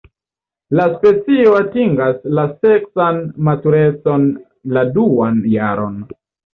La specio atingas la seksan maturecon la duan jaron.